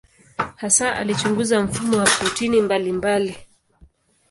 Hasa alichunguza mfumo wa protini mbalimbali.